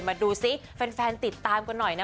มาดูซิแฟนติดตามกันหน่อยนะ